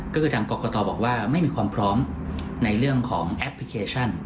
ก็คือทางกรกตบอกว่าไม่มีความพร้อมในเรื่องของแอปพลิเคชัน